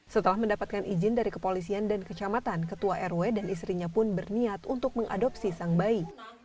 setelah mendapatkan izin dari kepolisian dan kecamatan ketua rw dan istrinya pun berniat untuk mengadopsi sang bayi